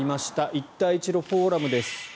一帯一路フォーラムです。